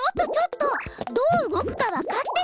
どう動くかわかってるの？